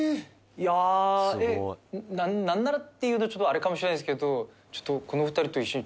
いやなんならって言うとちょっとあれかもしれないですけどちょっとこの。